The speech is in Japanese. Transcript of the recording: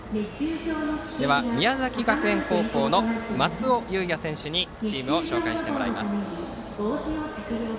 では、宮崎学園高校の松尾祐哉選手にチームを紹介してもらいます。